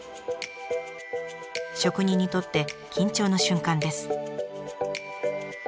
職人にとって緊張の瞬間です。